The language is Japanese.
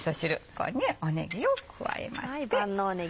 ここにねぎを加えまして。